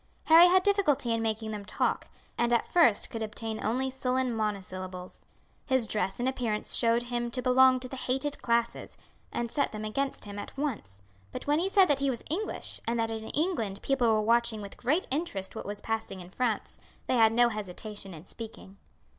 Harry had difficulty in making them talk, and at first could obtain only sullen monosyllables. His dress and appearance showed him to belong to the hated classes, and set them against him at once; but when he said that he was English, and that in England people were watching with great interest what was passing in France, they had no hesitation in speaking.